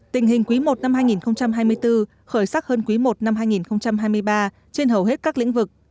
tình hình quý i năm hai nghìn hai mươi bốn khởi sắc hơn quý i năm hai nghìn hai mươi ba trên hầu hết các lĩnh vực